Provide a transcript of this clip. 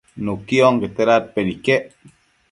nuqui onquete dadpenquio iquec